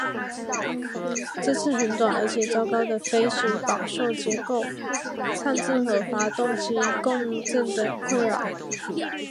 这次很短而且糟糕的飞行饱受结构颤振和发动机共振的困扰。